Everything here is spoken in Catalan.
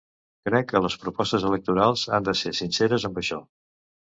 Crec que les propostes electorals han de ser sinceres amb això.